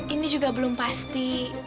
ini juga belum pasti